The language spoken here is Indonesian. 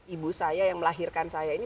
ibu saya yang melahirkan saya ini